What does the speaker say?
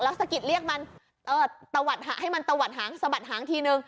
แล้วสกิร์ตเรียกมันให้มันตะวัดหางสะบัดหางทีนึง